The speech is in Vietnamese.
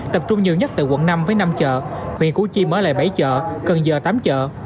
tập trung nhiều nhất từ quận năm với năm chợ huyền cú chi mở lại bảy chợ cần giờ tám chợ